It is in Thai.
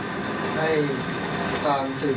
ดูกว้างสำหรับชุดผม